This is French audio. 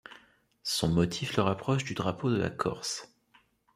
Son motif le rapproche du drapeau de la Corse.